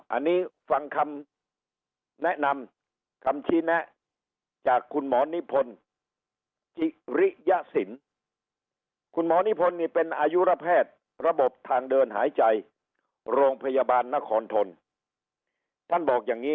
อันนี้ฟังคำแนะนำคำชี้แนะจากคุณหมอนิพนธ์จิริยสินคุณหมอนิพนธ์นี่เป็นอายุระแพทย์ระบบทางเดินหายใจโรงพยาบาลนครทนท่านบอกอย่างนี้